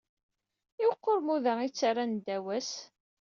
I uqermud-a i ttarran ddaw-as?